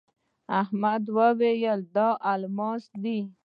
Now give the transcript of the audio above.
احمد وويل: دا الماس دی.